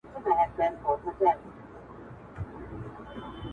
دوو هويتونو ته لاسرسی لري